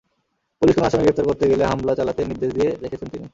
Police কোনো আসামি গ্রেপ্তার করতে গেলে হামলা চালাতে নির্দেশ দিয়ে রেখেছেন তিনি।